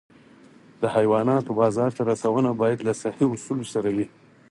د حیواناتو بازار ته رسونه باید له صحي اصولو سره وي.